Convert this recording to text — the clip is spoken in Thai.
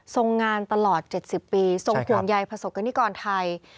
ทรงงานตลอด๗๐ปีทรงห่วงใยประสบกรณิกรไทย